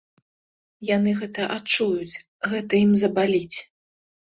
Яны гэта адчуюць, гэта ім забаліць.